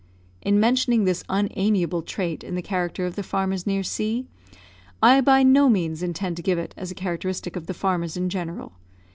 In mentioning this unamiable trait in the character of the farmers near C , I by no means intend to give it as characteristic of the farmers in general.